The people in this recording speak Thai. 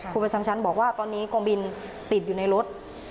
ประจำชั้นบอกว่าตอนนี้กองบินติดอยู่ในรถ